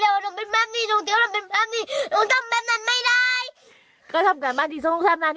แล้วเมื่อไว้ทำการบ้านที่ส่องท่านบ้าน